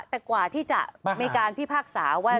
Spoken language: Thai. แต่กว่าที่จะมีการพิพากษาว่า